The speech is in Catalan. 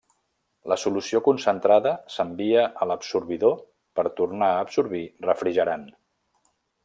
La solució concentrada s'envia a l'absorbidor per tornar a absorbir refrigerant.